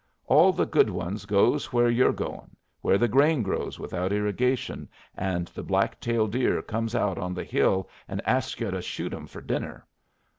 All the good ones goes where you're goin', where the grain grows without irrigation and the blacktail deer comes out on the hill and asks yu' to shoot 'em for dinner.